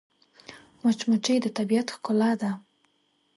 مچمچۍ د طبیعت ښکلا ده